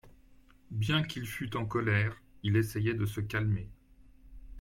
Bien qu’il fût en colère, il essayait de se calmer.